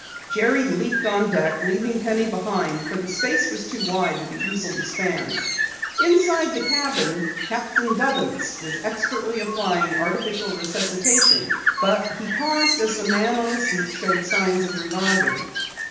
Jerry leaped on deck, leaving Penny behind, for the space was too wide to be easily spanned. Inside the cabin Captain Dubbins was expertly applying artificial resuscitation, but he paused as the man on the seat showed signs of reviving.